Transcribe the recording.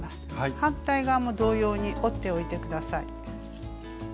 反対側も同様に折っておいて下さい。